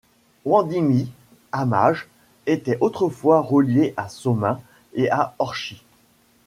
Wandignies-Hamage était autrefois reliée à Somain et à Orchies.